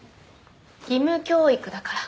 義務教育だから。